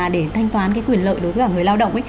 để thanh toán cái quyền lợi đối với cả người lao động